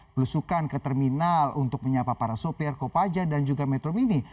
belusukan ke terminal untuk menyapa para sopir kopaja dan juga metro mini